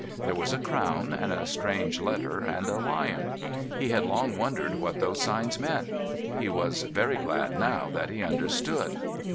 There was a crown, and a strange letter, and a lion. He had long wondered what those signs meant. He was very glad now that he understood.